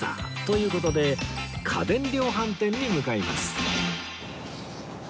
という事で家電量販店に向かいます